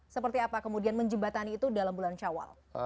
seperti apa kemudian menjembatani itu dalam bulan syawal